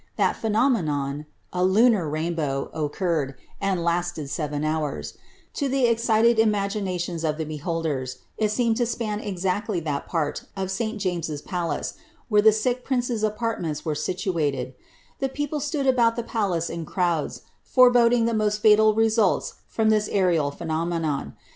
ihal phenornB*"^" a lunar rainbow, occurred, and lasted seven houn; in tlie excited ations oAbe beholders, il seemed to span exactly iht! pan of St. a Paiece where the sick prince's Bpanmenis were siui ated. The e stood about the palace in crowds, forebodinr ihe nioet fatal rei Trom iliis aerial phenomenon.'